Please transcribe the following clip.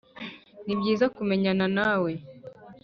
nibyiza kumenyana nawe